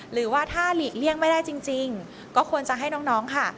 หรือว่าถ้าหลีกเลี่ยงไม่ได้จริงก็ควรจะให้น้องค่ะ